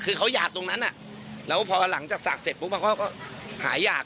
คือเขาอยากตรงนั้นแล้วพอหลังจากศักดิ์เสร็จปุ๊บมันก็หายาก